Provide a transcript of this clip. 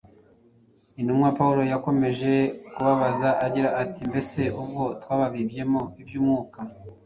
Intumwa Pawulo yakomeje kubaza agira ati: “Mbese ubwo twababibyemo iby’Umwuka,